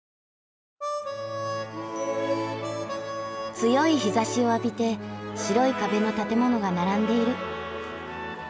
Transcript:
強い日ざしを浴びて白い壁の建物が並んでいる。